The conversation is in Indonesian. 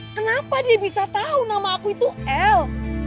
kenapa dia bisa tahu nama aku itu el